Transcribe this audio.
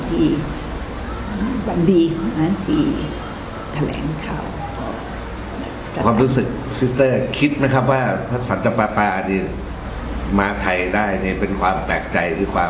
ที่แผงเขา